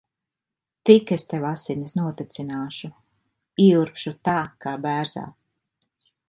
Tik es tev asinis notecināšu. Ieurbšu tā kā bērzā.